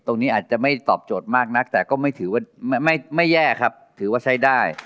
ตรงนี้อาจจะไม่ตอบโจทย์มากนักแต่ก็ไม่ถือว่าไม่แย่ครับถือว่าใช้ได้